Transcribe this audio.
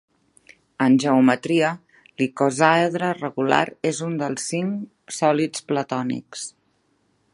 En geometria, l'icosàedre regular és un dels cinc sòlids platònics.